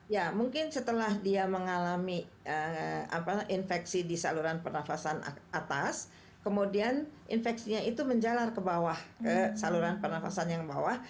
ya mungkin setelah dia mengalami infeksi di saluran pernafasan atas kemudian infeksinya itu menjalar ke bawah ke saluran pernafasan yang bawah